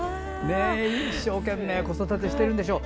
一生懸命子育てしてるんでしょう。